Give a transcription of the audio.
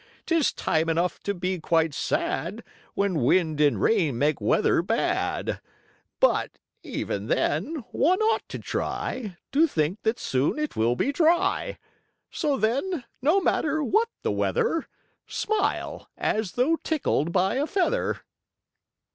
'Tis time enough to be quite sad, When wind and rain make weather bad. But, even then, one ought to try To think that soon it will be dry. So then, no matter what the weather, Smile, as though tickled by a feather."